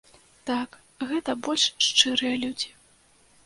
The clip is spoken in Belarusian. Так, гэта больш шчырыя людзі.